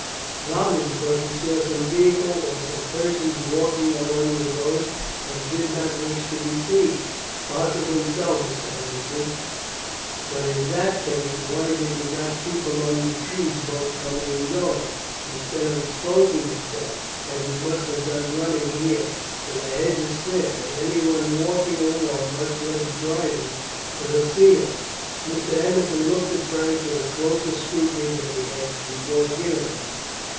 "Probably because he saw some vehicle or some persons walking along the road, and did not wish to be seen." "Possibly so, Mr. Henderson; but in that case, why did he not keep among the trees both coming and going, instead of exposing himself, as he must have done running here; for the hedge is thin, and any one walking along, much less driving, could have seen him." Mr. Henderson looked at Frank with a closer scrutiny than he had before given him.